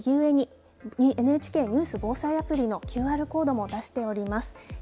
右上にＮＨＫニュース・防災アプリのＱＲコードも出しております。